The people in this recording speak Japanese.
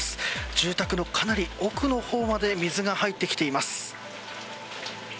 住宅のかなり奥の方まで水が入ってきています。